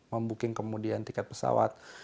membuking kemudian tiket pesawat